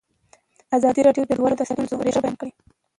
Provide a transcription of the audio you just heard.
ازادي راډیو د کډوال د ستونزو رېښه بیان کړې.